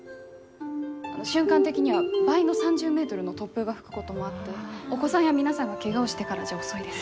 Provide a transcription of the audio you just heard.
瞬間的には倍の３０メートルの突風が吹くこともあってお子さんや皆さんがけがをしてからじゃ遅いです。